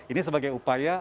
ini sebagai upaya